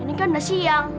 ini kan udah siang